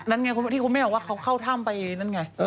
ที่คุณแม่บอกว่าเขาเข้าถ้ำไปนั่นไง